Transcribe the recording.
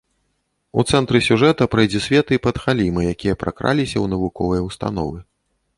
У цэнтры сюжэта прайдзісветы і падхалімы, якія пракраліся ў навуковыя ўстановы.